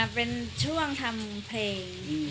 เป็นช่วงทำเพลง